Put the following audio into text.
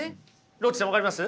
ロッチさん分かります？